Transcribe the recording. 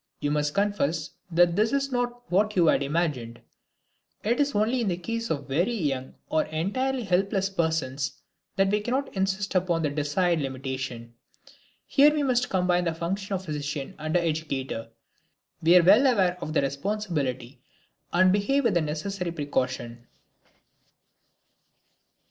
You must confess that this is not what you had imagined. It is only in the case of certain very young or entirely helpless persons that we cannot insist upon the desired limitation. Here we must combine the function of physician and educator; we are well aware of the responsibility and behave with the necessary precaution.